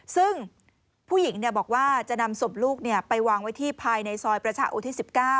ซึ่งผู้หญิงบอกว่าจะนำศพลูกไปวางไว้ที่ภายในซอยประชาอุทิศ๑๙